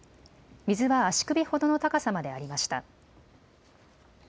水は足首ほどの高さまでありました。